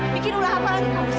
bikin ulah apa lagi kamu sih